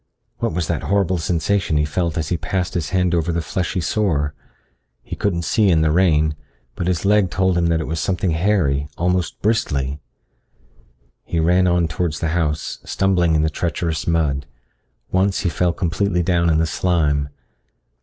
What was that horrible sensation he felt as he passed his hand over the fleshy sore? He couldn't see in the rain, but his leg told him that it was something hairy, almost bristly. He ran on towards the house, stumbling in the treacherous mud. Once he fell completely down in the slime.